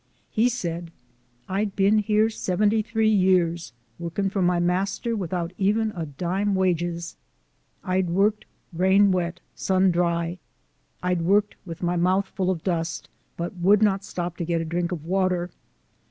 He said, " I'd been yere seventy three years, workin' for my master widout even a LIFE OF IIAKIilET TUBMAN. 45 dime wages. I'd worked rain wet sun dry. I'd worked wid my mouf full of dust, but would not stop to get a drink of water.